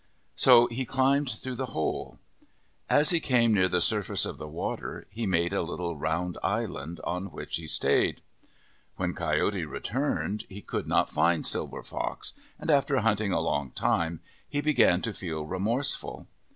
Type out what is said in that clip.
So he climbed through the hole. As he came near the surface of the water, he made a little round island on which he stayed. When Coyote 21 MYTHS AND LEGENDS returned, he could not find Silver Fox, and after hunting a long time, he began to feel remorseful.